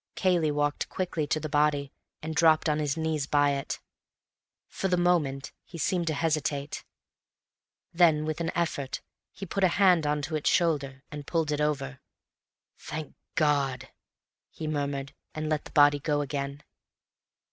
Cayley walked quickly to the body, and dropped on his knees by it. For the moment he seemed to hesitate; then with an effort he put a hand on to its shoulder and pulled it over. "Thank God!" he murmured, and let the body go again.